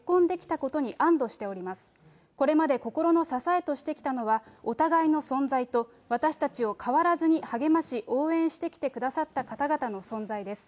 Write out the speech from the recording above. これまで心の支えとしてきたのは、お互いの存在と、私たちを変わらずに励まし応援してくださった方々の存在です。